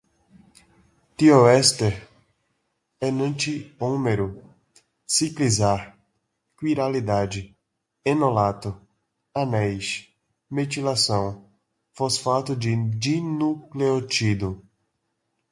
tioéster, enantiômero, ciclizar, quiralidade, enolato, anéis, metilação, fosfato de dinucléotido